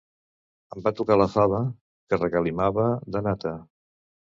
Em va tocar la fava, que regalimava de nata.